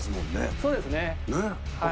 そうですねはい。